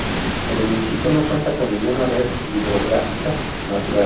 El municipio no cuenta con ninguna red hidrográfica natural.